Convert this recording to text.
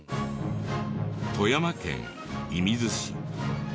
富山県射水市。